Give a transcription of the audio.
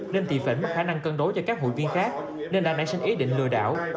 nên thị phẫn mất khả năng cân đối cho các hụi viên khác nên đã nảy sinh ý định lừa đảo